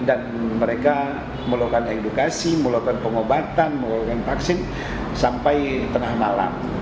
dan mereka melakukan edukasi melakukan pengobatan melakukan vaksin sampai tengah malam